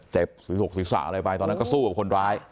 เจ็บสุขศึกษาเลยไปตอนนั้นก็สู้กับคนร้าย